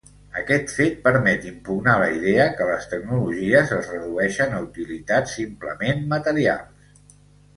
Aquest fet permet impugnar la idea que les tecnologies es redueixen a utilitats simplement materials.